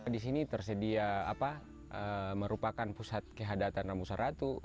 di sini tersedia merupakan pusat kehadatan rambusan ratu